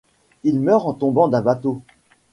Il meurt en tombant d'un bateau.